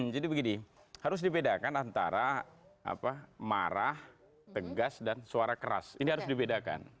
jadi begini harus dibedakan antara marah tegas dan suara keras ini harus dibedakan